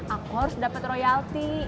aku harus dapet royalti